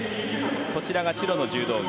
こちらは白の柔道着